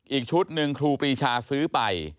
อีกชุดหนึ่งครูปรีชาซื้อไป